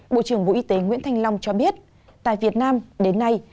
bộ trưởng bộ y tế nguyễn thanh long cho biết tại việt nam đến nay